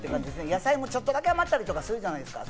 野菜もちょっとだけ余ったりするじゃないですか。